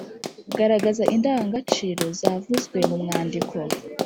Garagaza indangagaciro zavuzwe mu mwandiko.